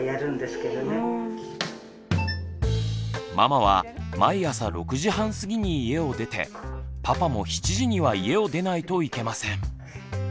ママは毎朝６時半過ぎに家を出てパパも７時には家を出ないといけません。